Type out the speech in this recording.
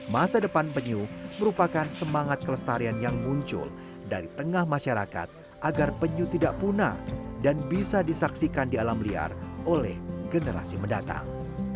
masa depan penyu merupakan semangat kelestarian yang muncul dari tengah masyarakat agar penyu tidak punah dan bisa disaksikan di alam liar oleh generasi mendatang